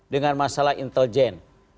dengan masalah intelijen